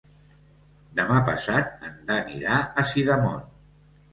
Demà passat en Dan irà a Sidamon.